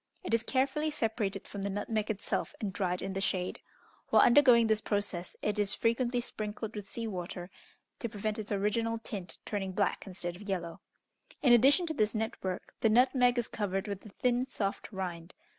It is carefully separated from the nutmeg itself, and dried in the shade. While undergoing this process, it is frequently sprinkled with sea water, to prevent its original tint turning black instead of yellow. In addition to this net work, the nutmeg is covered with a thin, soft rind.